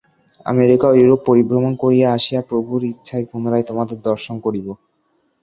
America ও Europe পরিভ্রমণ করিয়া আসিয়া প্রভুর ইচ্ছায় পুনরায় তোমাদের দর্শন করিব।